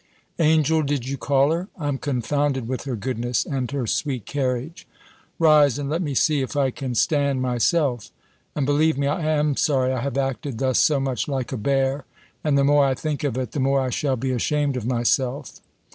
"Angel, did you call her? I'm confounded with her goodness, and her sweet carriage! Rise, and let me see if I can stand myself! And, believe me, I am sorry I have acted thus so much like a bear; and the more I think of it, the more I shall be ashamed of myself."